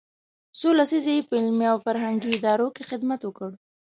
څو لسیزې یې په علمي او فرهنګي ادارو کې خدمت وکړ.